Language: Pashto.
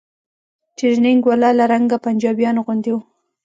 ټرېننگ والا له رنګه پنجابيانو غوندې و.